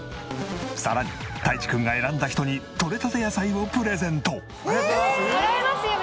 さらにたいちくんが選んだ人にとれたて野菜をプレゼント。